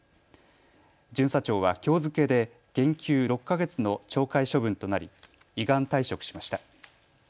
巡査長はきょう付けで減給６か月の懲戒処分となり依願退職しました。